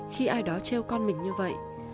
khi ai đó treo con mình như vậy